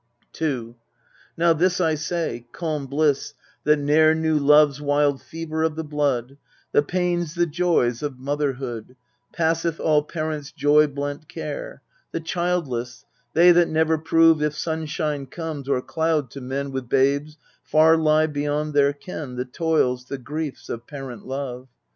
II Now this I say calm bliss, that ne'er Knew love's wild fever of the blood, The pains, the joys, of motherhood, Passeth all parents' joy blent care. The childless, they that never prove If sunshine comes, or cloud, to men With babes, far lie beyond their ken The toils, the griefs, of parent love.